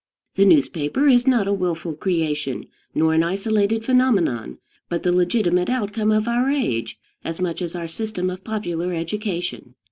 The newspaper is not a willful creation, nor an isolated phenomenon, but the legitimate outcome of our age, as much as our system of popular education.